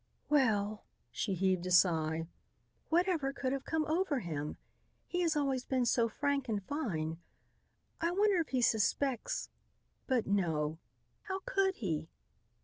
"Well," she heaved a sigh, "whatever could have come over him? He has always been so frank and fine. I wonder if he suspects but, no, how could he?"